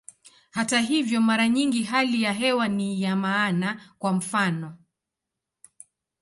Hata hivyo, mara nyingi hali ya hewa ni ya maana, kwa mfano.